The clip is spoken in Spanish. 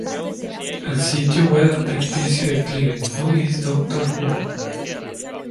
El sitio web ficticio de Clive, "Who is Doctor Who?